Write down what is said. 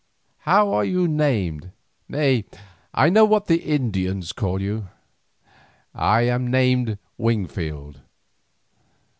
How are you named? Nay, I know what the Indians call you." "I am named Wingfield."